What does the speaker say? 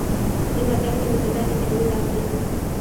په دې متل کې متضادې کلمې راغلي دي